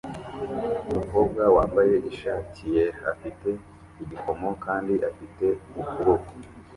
Umukobwa wambaye ishati yera afite igikomo kandi afite ukuboko